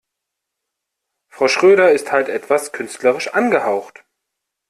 Frau Schröder ist halt etwas künstlerisch angehaucht.